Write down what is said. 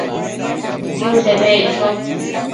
Tsiute beccho